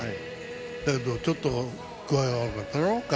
だけど、ちょっと具合が悪くなったろ、彼。